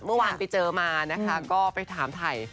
เมื่อวานไปเจอมานะคะก็ไปถามถ่าย